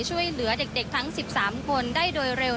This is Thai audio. ช่วยเหลือเด็กทั้ง๑๓คนได้โดยเร็ว